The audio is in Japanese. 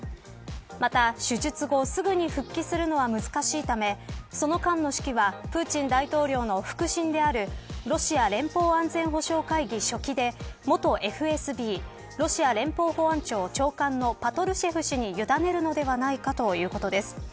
また、手術後すぐに復帰するのは難しいためその間の指揮はプーチン大統領の腹心であるロシア連邦安全保障会議書記で元ＦＳＢロシア連邦保安庁長官のパトルシェフ氏に委ねるのではないかということです。